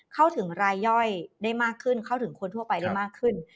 เข้าถึงรายย่อยได้มากขึ้นเข้าถึงคนทั่วไปได้มากขึ้น